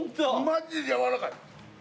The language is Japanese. マジで軟らかい！